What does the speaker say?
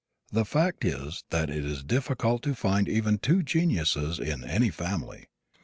The fact is that it is difficult to find even two geniuses in any family.